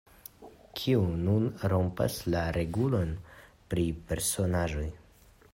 "Kiu nun rompas la regulon pri personaĵoj?"